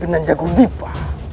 bupin dan jagur dipa